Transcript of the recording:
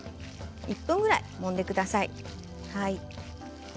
１分ぐらい、もんでください。